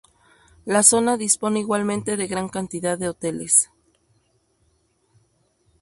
La zona dispone igualmente de gran cantidad de hoteles.